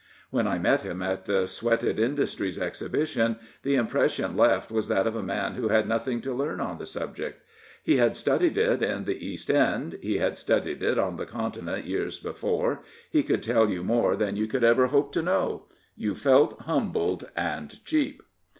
When I met him at the Sweated Industries Exhibition, the impression left was that of a man who had nothing to learn on the subject. He had studied it in the East End; he had studied it on the G)ntinent years before; he could teU you more than you could ever hope to know. You felt humbled and cheap.